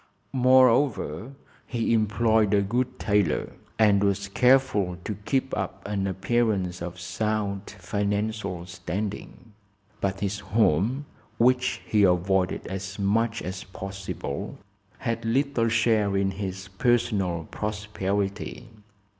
Moreover, he employed a good tailor and was careful to keep up an appearance of sound financial standing. But his home, which he avoided as much as possible, had little share in his personal prosperity.